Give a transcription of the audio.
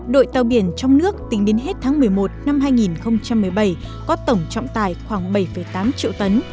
đội tàu biển trong nước tính đến hết tháng một mươi một năm hai nghìn một mươi bảy có tổng trọng tài khoảng bảy tám triệu tấn